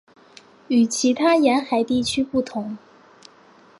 与其他沿海地区不同。